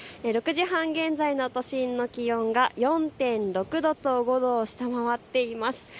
６時半現在の都心の気温が４．６度と５度を下回っています。